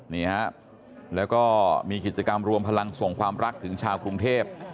นี่ฮะแล้วก็มีกิจกรรมรวมพลังส่งความรักถึงชาวกรุงเทพ